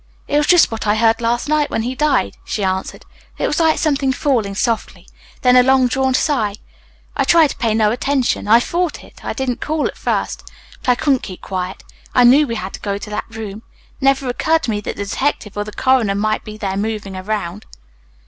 "It was just what I heard last night when he died," she answered. "It was like something falling softly, then a long drawn sigh. I tried to pay no attention. I fought it. I didn't call at first. But I couldn't keep quiet. I knew we had to go to that room. It never occurred to me that the detective or the coroner might be there moving around."